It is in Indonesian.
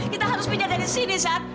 kita harus pindah dari sini sat